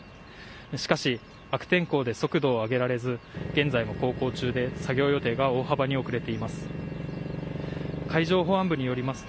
しかし、悪天候で速度を上げられず、現在も航行中で、作業予定が大幅に遅れています。